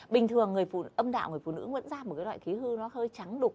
bình thường âm đạo người phụ nữ vẫn ra một loại khí hư hơi trắng đục